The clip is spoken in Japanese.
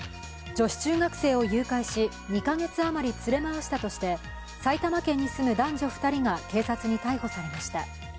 女子中学生を誘拐し２か月余り連れ回したとして、埼玉県に住む男女２人が警察に逮捕されました。